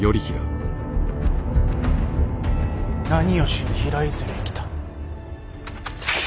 何をしに平泉へ来た。